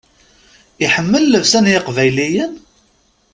Iḥemmel llebsa n yeqbayliyen?